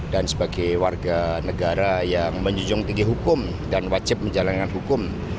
dan sebagai warga negara yang menjunjung tinggi hukum dan wajib menjalankan hukum